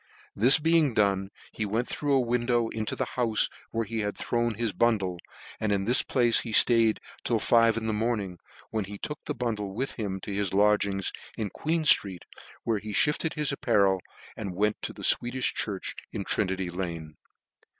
This being done, he went through a window into the houfe where he had thrown his bundle ; and in this place he ftaid till five in the morning, when he took the bundle with him to his lodgings in Queen ftreet, where he fhifted his apparel, and vent to the Sweedifh church in Trinity Lane.